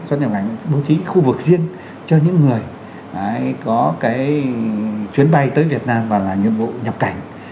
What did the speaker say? xuất nhập cảnh bố trí khu vực riêng cho những người có cái chuyến bay tới việt nam và làm nhiệm vụ nhập cảnh